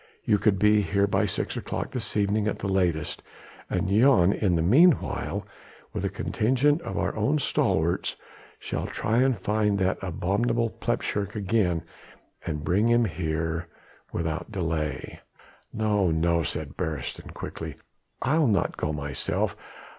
You could be here by six o'clock this evening at the latest, and Jan in the meanwhile with a contingent of our stalwarts shall try and find that abominable plepshurk again and bring him here too without delay." "No, no," said Beresteyn quickly, "I'll not go myself.